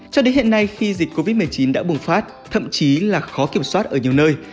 cho đến hiện nay khi dịch covid một mươi chín đã bùng phát thậm chí là khó kiểm soát ở nhiều nơi